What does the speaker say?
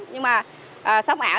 nhưng mà sống ảo